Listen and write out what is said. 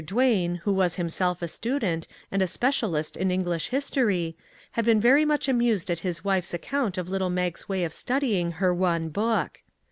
Duane, who was him self a student, and a specialist in English his tory, had been very much amused at his wife's account of little Mag's way of studying her one book.